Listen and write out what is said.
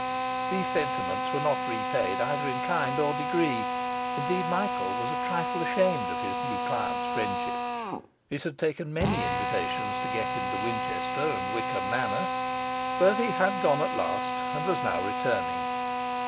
These sentiments were not repaid either in kind or degree; indeed, Michael was a trifle ashamed of his new client's friendship; it had taken many invitations to get him to Winchester and Wickham Manor; but he had gone at last, and was now returning.